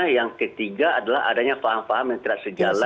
yang ketiga adalah adanya paham paham yang tidak sejalan